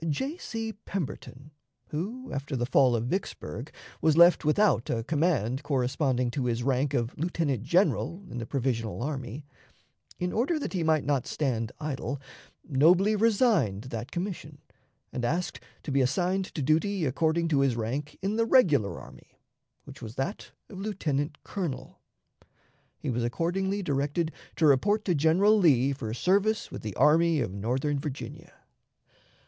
J. C. Pemberton, who, after the fall of Vicksburg, was left without a command corresponding to his rank of lieutenant general in the provisional army, in order that he might not stand idle, nobly resigned that commission, and asked to be assigned to duty according to his rank in the regular army, which was that of lieutenant colonel. Ho was accordingly directed to report to General Lee for service with the Army of Northern Virginia.